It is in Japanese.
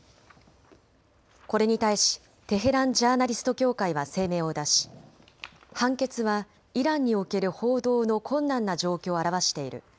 これに対しテヘラン・ジャーナリスト協会は声明を出し、判決はイランにおける報道の困難な状況を表している。